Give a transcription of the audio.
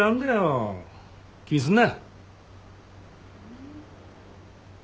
気にすんな。